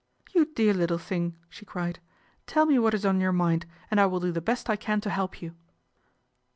" You dear little thing," she cried, " tell me what is on your mind, and I will do the best I can to help you."